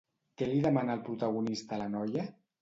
Què li demana el protagonista a la noia?